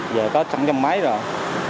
giờ có trăm trăm máy rồi